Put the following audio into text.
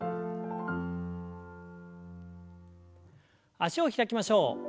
脚を開きましょう。